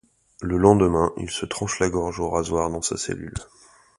Le lendemain, il se tranche la gorge au rasoir dans sa cellule.